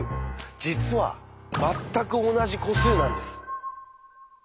実は「まったく同じ個数」なんです！